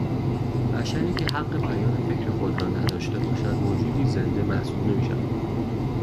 بشری که حق بیان فکر خود را نداشته باشد موجودی زنده محسوب نمیشود